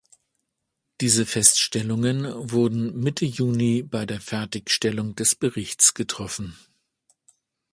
Diese Feststellungen wurden Mitte Juni bei der Fertigstellung des Berichts getroffen.